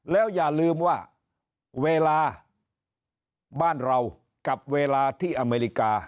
แล้วอย่าลืมว่าเวลาบ้านเรากับเวลาที่อเมริกา